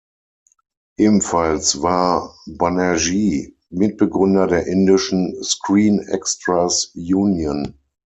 Ebenfalls war Banerjee Mitbegründer der indischen "Screen Extras Union".